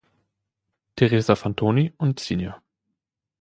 Theresa Fantoni und Sr.